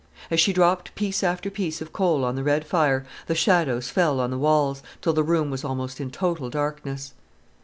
As she dropped piece after piece of coal on the red fire, the shadows fell on the walls, till the room was almost in total darkness.